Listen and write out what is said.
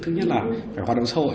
thứ nhất là phải hoạt động sâu hội